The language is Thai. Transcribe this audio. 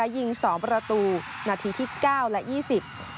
ยิงสองประตูนาทีที่เก้าและยี่สิบ